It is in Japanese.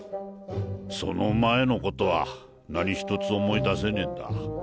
その前のことは何ひとつ思い出せねえんだ。